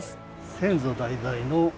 先祖代々の。